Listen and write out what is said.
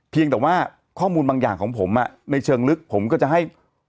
เพียงแต่ว่าข้อมูลบางอย่างของผมในเชิงลึกผมก็จะให้